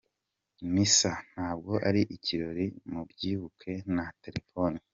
Misa ntabwo ari ikirori, mubyibuke, nta telefoni.